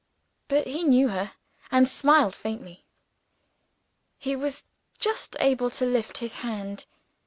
But he knew her, and smiled faintly. He was just able to lift his hand.